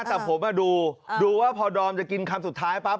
แต่ผมดูว่าพอดอมจะกินคำสุดท้ายปั๊บ